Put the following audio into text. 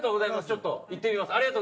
ちょっと行ってみます。